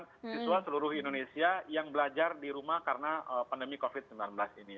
siswa seluruh indonesia yang belajar di rumah karena pandemi covid sembilan belas ini